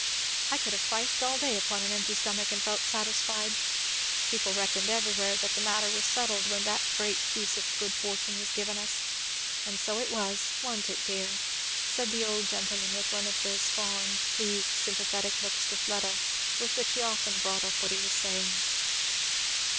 I could have fifed all day upon an empty stomach and felt satisfied. People reckoned everywhere that the matter was settled when that great piece of good fortune was given us. And so it was! wa'n't it, dear?" said the old gentleman, with one of those fond, pleased, sympathetic looks to Fleda with which he often brought up what he was saying.